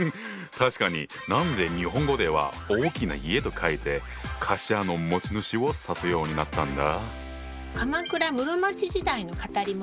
確かに何で日本語では「大きな家」と書いて「貸家の持ち主」を指すようになったんだ？